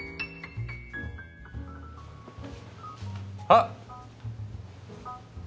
あっ！